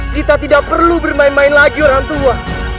kita tidak perlu bermain main lagi orang tua